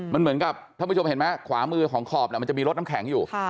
มันเหมือนกับท่านผู้ชมเห็นไหมขวามือของขอบมันจะมีรถน้ำแข็งอยู่